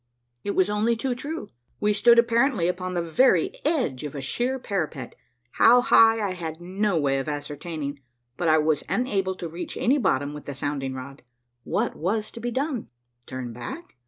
It was only too true : we stood apparently upon the very edge of a sheer parapet, how high I had no way of ascertaining, but I was unable to reach any bottom with the sounding rod. What was to be done? Turn back?